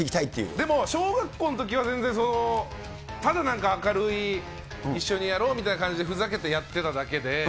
でも、小学校のときは全然、ただ、なんか明るい、一緒にやろうみたいな感じで、ふざけてやってただけで。